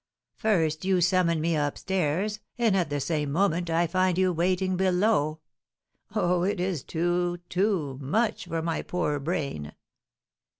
First, you summon me up stairs, and, at the same moment, I find you waiting below! Oh, it is too, too much for my poor brain!"